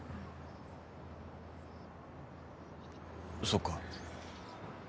そっか。